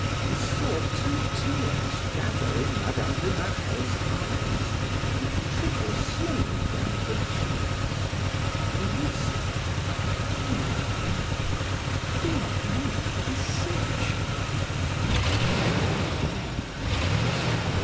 He saw two tears gather in Mme. de Marelle's eyes and trickle slowly down her cheeks. He whispered: "Do not weep, Clo, do not weep, I beseech you. You break my heart."